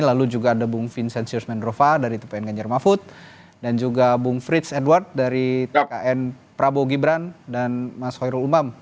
lalu juga ada bung vincenzius mendrofa dari tpn ganjar mahfud dan juga bung frits edward dari tkn prabowo gibran dan mas hoirul umam